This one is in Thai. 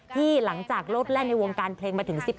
ที่หลังจากโล้ดแร่งในวงการเพลงมาถึง๑๖ปีค่ะ